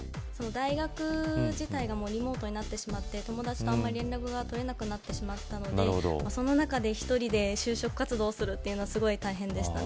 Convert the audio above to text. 大学自体がリモートになってしまって友達とあんまり連絡が取れなくなってしまったのでその中で１人で就職活動するっていうのはすごい大変でしたね